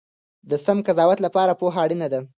د سم قضاوت لپاره پوهه اړینه ده.